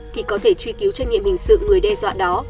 thì có thể truy cứu trách nhiệm hình sự người đe dọa đó